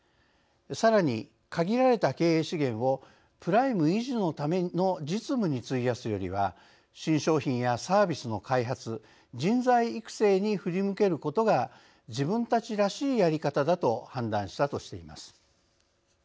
さらに限られた経営資源をプライム維持のための実務に費やすよりは新商品やサービスの開発人材育成に振り向けることが自分たちらしいやり方だと判断したとしています。